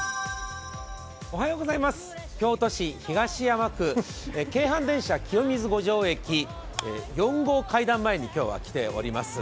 京都市東山区、京阪電車清水五条駅４号階段前に今日は来ています。